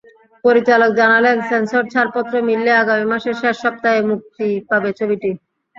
পরিচালক জানালেন, সেন্সর ছাড়পত্র মিললে আগামী মাসের শেষ সপ্তাহে মুক্তি পাবে ছবিটি।